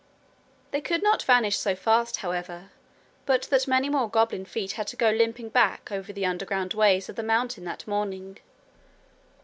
They could not vanish so fast, however, but that many more goblin feet had to go limping back over the underground ways of the mountain that morning.